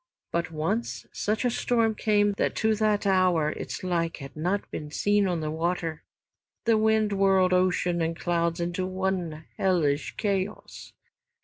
But once such a storm came that to that hour its like had not been on the water. The wind whirled ocean and clouds into one hellish chaos.